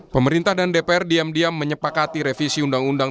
pemerintah dan dpr diam diam menyepakati revisi undang undang